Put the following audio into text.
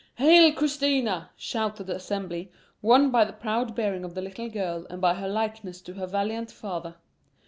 '" "Hail, Christina!" shouted the assembly, won by the proud bearing of the little girl and by her likeness to her valiant father.